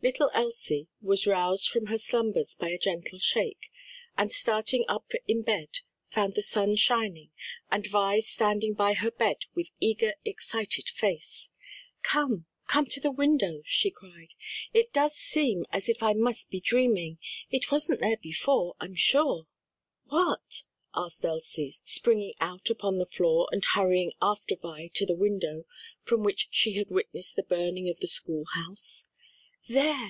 Little Elsie was roused from her slumbers by a gentle shake, and starting up in bed, found the sun shining and Vi standing by her side with eager, excited face. "Come, come to the window!" she cried. "It does seem as if I must be dreaming; it wasn't there before, I'm sure." "What?" asked Elsie, springing out upon the floor and hurrying after Vi to the window from which she had witnessed the burning of the schoolhouse. "There!"